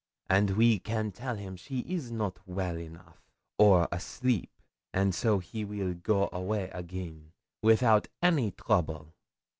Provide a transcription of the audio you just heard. and we can tell him she is not well enough, or asleep, and so he weel go away again, without any trouble.'